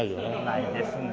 ないですね。